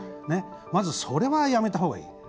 まず、それはやめたほうがいい。